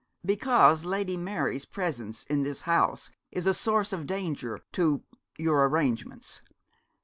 'Because Lady Mary's presence in this house is a source of danger to your arrangements.